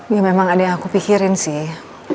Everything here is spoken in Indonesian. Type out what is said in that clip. ya memang ada yang aku pikirin sih